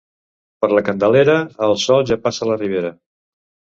Per la Candelera, el sol ja passa la ribera.